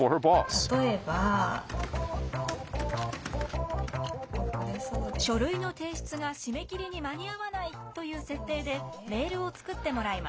例えば書類の提出が締め切りに間に合わないという設定でメールを作ってもらいます。